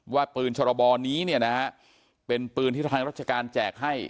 ว่าปืนชรบนี้เป็นปืนที่ทางราชการแจกให้